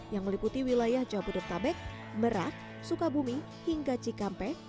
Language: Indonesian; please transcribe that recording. yang meliputi wilayah jabodetabek merak sukabumi hingga cikampek